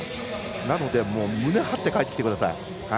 なので、胸張って帰ってきてください。